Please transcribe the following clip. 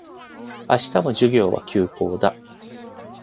明日も授業は休講だ